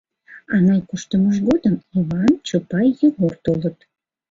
Анай куштымыж годым Йыван, Чопай, Йогор толыт.